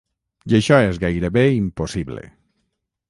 I això és gairebé impossible.